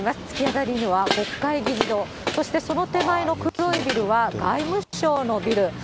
突き当たりには国会議事堂、そしてその手前の黒いビルは外務省のビル。